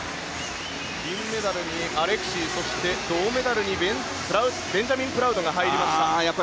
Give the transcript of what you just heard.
銀メダルにアレクシーそして銅メダルにベンジャミン・プラウドが入りました。